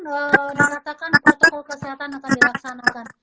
kalau dikatakan protokol kesehatan akan dilaksanakan